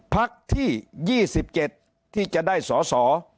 ภักดิ์ที่ยี่สิบเจ็ดที่จะได้สอสอ